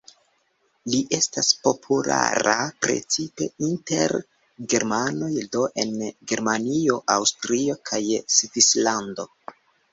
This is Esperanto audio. Li estas populara precipe inter germanoj, do en Germanio, Aŭstrio kaj Svislando.